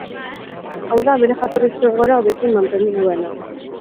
Hau da bere jatorrizko egoera hobekien mantendu duena.